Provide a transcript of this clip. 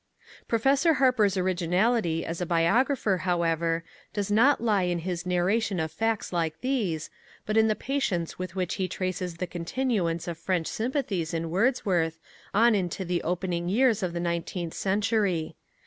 Professor Harper's originality as a biographer, however, does not lie in his narration of facts like these, but in the patience with which he traces the continuance of French sympathies in Wordsworth on into the opening years of the nineteenth century.